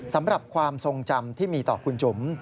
สำหรับความทรงจำที่มีต่อคุณจุ๋ม